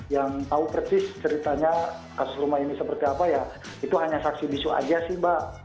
yang tahu persis ceritanya kasus rumah ini seperti apa ya itu hanya saksi bisu aja sih mbak